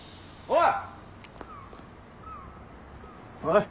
おい。